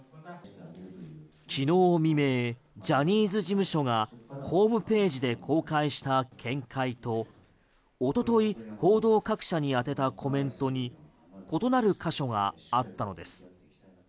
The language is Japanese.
昨日未明ジャニーズ事務所がホームページで公開した見解と一昨日報道各社に宛てたコメントに異なる箇所があったのです。